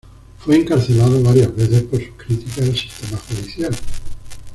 Fue encarcelado varias veces por sus críticas al sistema judicial.